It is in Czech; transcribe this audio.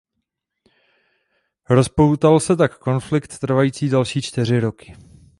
Rozpoutal se tak konflikt trvající další čtyři roky.